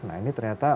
nah ini ternyata